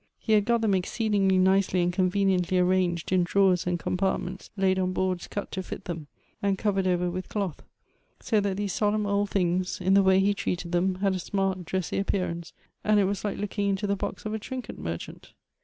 He had got them exceedingly nicely and conveniently arranged in drawers and compartments laid on boards cut to fit them, and covered over with cloth ; so that these solemn old things, in the way he treated them, had a smart, dressy appearance, and it was like looking into the box of a trinket merchant.